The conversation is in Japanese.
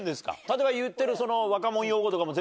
例えば言ってる。